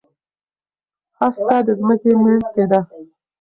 هسته د ځمکې منځ کې ده.